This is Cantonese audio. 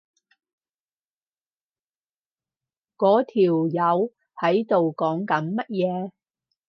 嗰條友喺度講緊乜嘢？